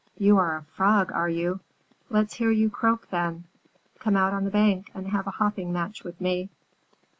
"You are a Frog, are you? Let's hear you croak then. Come out on the bank and have a hopping match with me."